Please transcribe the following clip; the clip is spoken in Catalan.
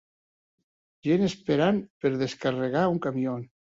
Gent esperant per descarregar un camió.